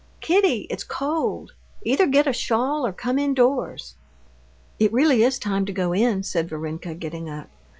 "Kitty, it's cold! Either get a shawl, or come indoors." "It really is time to go in!" said Varenka, getting up.